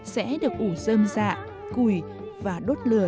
sẽ được ủ dơm dạ cùi và đốt lửa